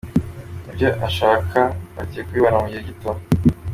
Ibyo bashaka bagiye kubibona mu gihe gito.